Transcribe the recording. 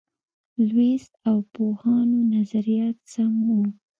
لویس او پوهانو نظریات سم وو.